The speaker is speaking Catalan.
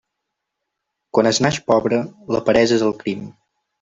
Quan es naix pobre, la peresa és el crim.